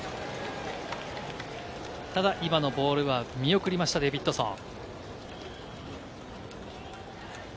今のボールは見送りました、デビッドソン。